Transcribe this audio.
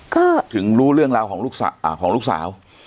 ก็ถึงรู้เรื่องราวของลูกสาวอ่าของลูกสาว